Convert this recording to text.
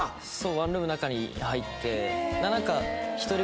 ワンルームの中に入って。